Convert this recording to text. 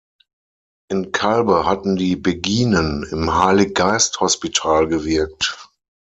In Calbe hatten die Beginen im Heilig-Geist-Hospital gewirkt.